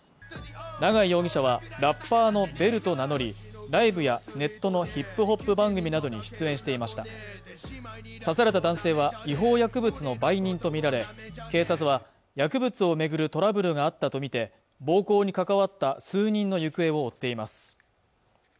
永井容疑者はラッパーのベルと名乗りライブやネットのヒップホップ番組などに出演していました刺された男性は違法薬物の売人とみられ警察は薬物をめぐるトラブルがあったと見て暴行に関わった数人の行方を追っています